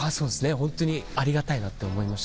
ホントにありがたいなって思いました。